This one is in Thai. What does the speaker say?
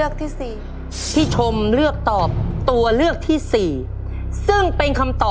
ข้อนี้ต้องถูกเท่านั้น